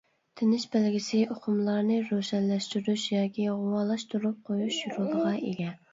تىنىش بەلگىسى ئۇقۇملارنى روشەنلەشتۈرۈش ياكى غۇۋالاشتۇرۇپ قويۇش رولىغا ئىگە.